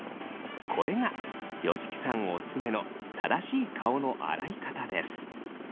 これが吉木さんオススメの正しい顔の洗い方です。